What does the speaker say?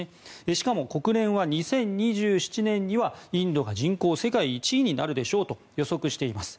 しかも国連は２０２７年にはインドが人口で世界１位になるでしょうと予測しています。